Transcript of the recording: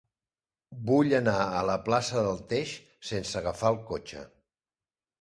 Vull anar a la plaça del Teix sense agafar el cotxe.